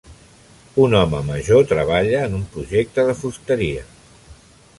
Un home major treballa en un projecte de fusteria.